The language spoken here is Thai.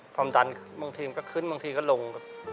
ความดันบางทีมันก็ขึ้นบางทีมันก็ลง